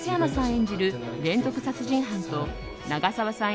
演じる連続殺人犯と長澤さん